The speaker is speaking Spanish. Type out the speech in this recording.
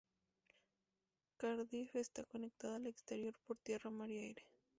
Cardiff está conectada al exterior por tierra, mar y aire.